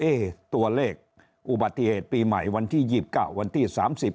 ตัวเลขอุบัติเหตุปีใหม่วันที่๒๙วันที่๓๐